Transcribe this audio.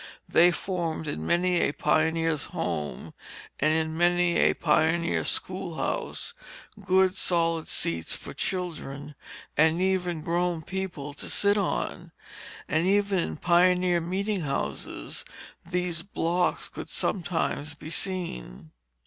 They formed in many a pioneer's home and in many a pioneer school house good solid seats for children and even grown people to sit on. And even in pioneer meeting houses these blocks could sometimes be seen.